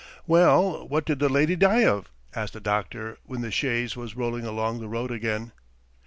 "Well, what did the lady die of?" asked the doctor when the chaise was rolling along the road again.